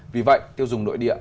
vì vậy tiêu dùng nội địa